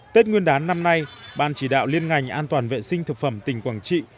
tết nguyên đán năm nay ban chỉ đạo liên ngành an toàn vệ sinh thực phẩm tỉnh quảng trị